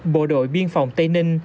bộ đội biên phòng tỉnh tây ninh